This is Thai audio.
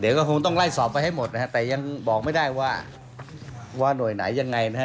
เดี๋ยวก็คงต้องไล่สอบไปให้หมดนะฮะแต่ยังบอกไม่ได้ว่าว่าหน่วยไหนยังไงนะฮะ